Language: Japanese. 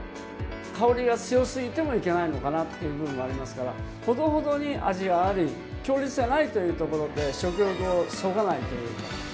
香りが強すぎてもいけないのかなっていう部分もありますからほどほどに味があり強烈じゃないというところで食欲をそがないというか。